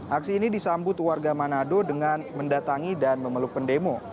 aksi ini disambut warga manado dengan mendatangi dan memeluk pendemo